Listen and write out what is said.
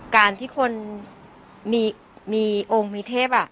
การที่คนมีมีองค์มีเทพอ่ะ